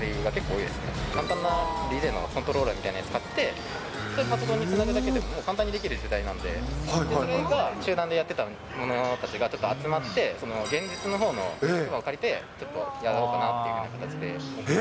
簡単なコントローラーを買って、それをパソコンにつなぐだけで、もう簡単にできる時代なんで、それが集団でやってたものたちがちょっと集まって、現実のほうの場を借りて、ちょっとやろうかなっていうふうな形で。